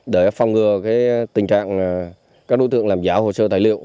để phòng ngừa tình trạng các đối tượng làm giả hồ sơ tài liệu